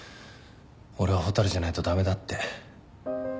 俺は蛍じゃないと駄目だって。